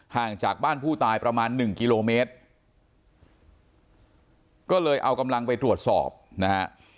ห่างจากบ้านผู้ตายประมาณหนึ่งกิโลเมตรก็เลยเอากำลังไปตรวจสอบนะฮะ